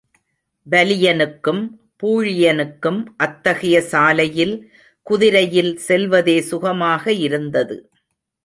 வலியனுக்கும் பூழியனுக்கும் அத்தகைய சாலையில் குதிரையில் செல்வதே சுகமாக இருந்தது.